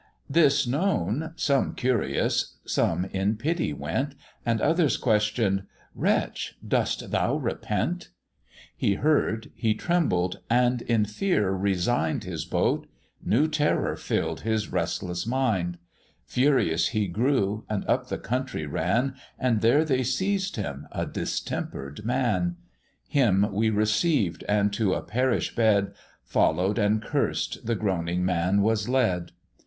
This known, some curious, some in pity went, And others question'd "Wretch, dost thou repent?" He heard, he trembled, and in fear resign'd His boat: new terror fill'd his restless mind; Furious he grew, and up the country ran, And there they seized him a distemper'd man: Him we received, and to a parish bed, Follow'd and cursed, the groaning man was led.